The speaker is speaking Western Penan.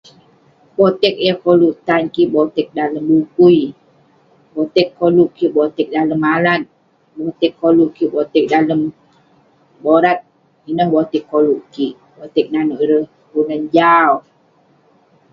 Boteg yah koluk tan kik boteg dalem bukui, boteg koluk kik boteg dalem malat, boteg koluk kik boteg dalem borat. Ineh boteg koluk kik, boteg nanouk ireh kelunan jau.